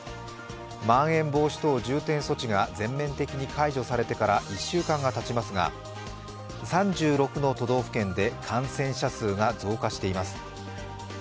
まん延防止等重点措置が全面的に解除されてから１週間がたちますが３６の都道府県で感染者数が増加しています。